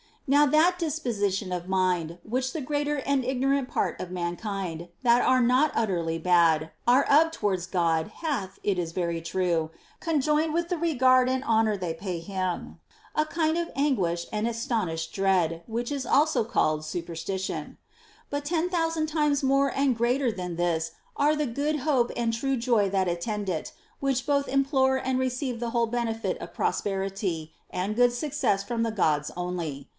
Now that disposition of mind which the greater and ignorant part of mankind, that are not utterly bad, are of towards God, hath, it is very true, conjoined with the regard and honor they pay him, a kind of anguish and astonished dread, which is also called superstition ; but ten thousand times more and greater than this are the good hope and true joy that attend it, which both implore and receive the whole benefit of prosperity and good success from the Gods only.